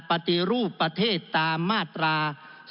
ปฏิรูปประเทศตามมาตรา๒๕๖